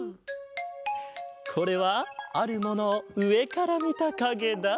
これはあるものをうえからみたかげだ。